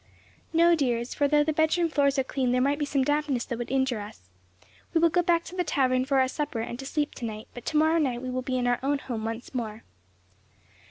"No, dears; for though the bedroom floors are cleaned there might be some dampness that would injure us. We will go back to the tavern for our supper and to sleep to night; but to morrow night we will be in our own home once more."